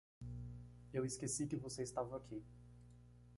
Eu esqueci que você estava aqui.